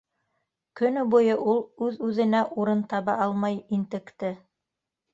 Көнө буйы ул үҙ-үҙенә урын таба алмай интекте.